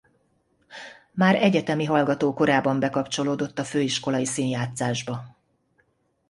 Már egyetemi hallgató korában bekapcsolódott a főiskolai színjátszásba.